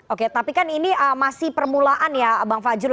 oke tapi kan ini masih permulaan ya bang fajrul